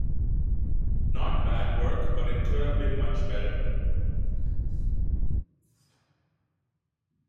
Not bad work, but it could have been much better.